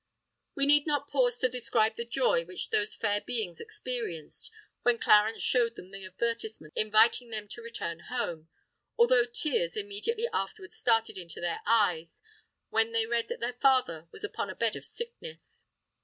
We need not pause to describe the joy which those fair beings experienced when Clarence showed them the advertisement inviting them to return home; although tears immediately afterwards started into their eyes, when they read that their father was upon a bed of sickness.